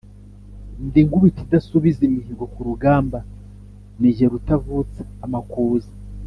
Ndi Nkubito idasubiza imihigo ku rugamba, ni jye rutavutsa amakuza